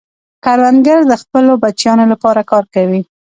کروندګر د خپلو بچیانو لپاره کار کوي